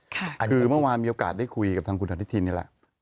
คือเมื่อวานมีโอกาสได้คุยกับทางคุณอนุทินนี่แหละ